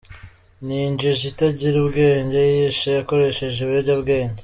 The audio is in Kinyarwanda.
Ni injiji itagira ubwenge, yiyishe akoresheje ibiyobyabwenge….